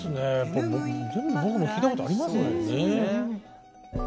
僕も聴いたことありますもんね。